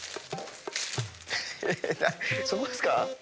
えっそこですか？